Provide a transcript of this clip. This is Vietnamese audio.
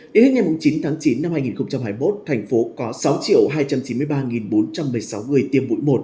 đến hết ngày chín tháng chín năm hai nghìn hai mươi một thành phố có sáu hai trăm chín mươi ba bốn trăm một mươi sáu người tiêm mũi một